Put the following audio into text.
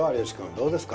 どうですか？